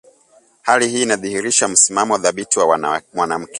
Hali hii inadhihirisha msimamo thabiti wa mwanamke